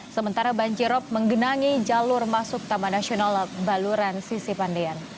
sementara banjir rob menggenangi jalur masuk taman nasional baluran sisi pandean